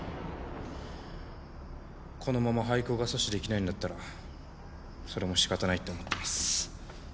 このまま廃校が阻止できないんだったらそれも仕方ないって思ってます。